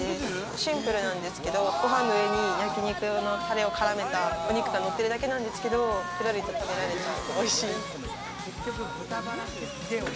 シンプルなんですけど、ご飯の上に焼肉のタレを絡めたお肉がのってるだけなんですけど、ペロリと食べられちゃう。